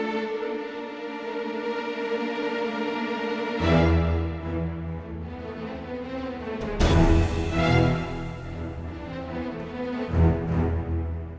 aku yakin hubungan mereka berdua akan hancur